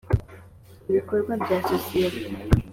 ibikorwa bya sosiyete